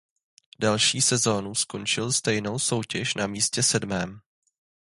Další sezónu skončil stejnou soutěž na místě sedmém.